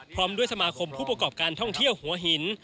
พร้อมด้วยสมาคมผู้ประกอบการท่องเที่ยวหัวหิน